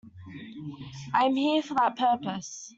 I am here for that purpose.